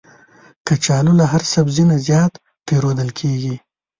کچالو له هر سبزي نه زیات پېرودل کېږي